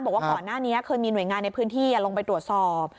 บอกว่าก่อนหน้านี้เคยมีหน่วยงานในพื้นที่ลงไปตรวจสอบ